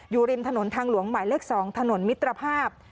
อยู่ริมถนนทางหลวงหมายเลข๒ถนนมิตรภาพ